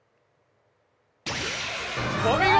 お見事！